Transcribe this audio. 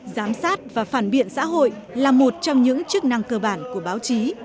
giám sát và phản biện xã hội là một trong những chức năng cơ bản của báo chí